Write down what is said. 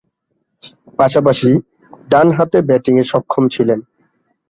পাশাপাশি ডানহাতে ব্যাটিংয়ে সক্ষম ছিলেন।